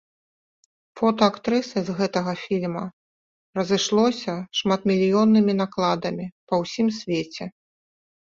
Фота актрысы з гэтага фільма разышлося шматмільённымі накладамі па ўсім свеце.